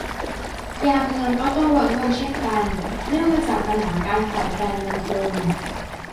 ยามเมืองก็ต้องลดลงเช่นกัน เนื่องมาจากปัญหาการขาดแคลนเงินทุน